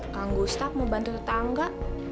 kak gustaf mau bantu tetangga